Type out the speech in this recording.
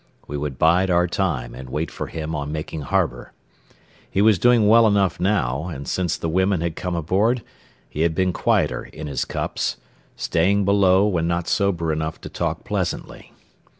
We would bide our time and wait for him on making harbor. He was doing well enough now, and since the women had come aboard he had been quieter in his cups, staying below when not sober enough to talk pleasantly.